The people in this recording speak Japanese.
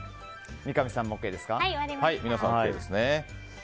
皆さんＯＫですね。